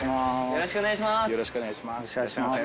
よろしくお願いします。